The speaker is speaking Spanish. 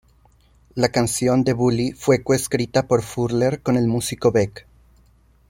La canción "The Bully" fue co-escrita por Furler con el músico, Beck.